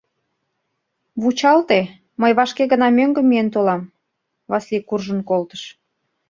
Вучалте, мый вашке гына мӧҥгӧ миен толам, — Васлий куржын колтыш.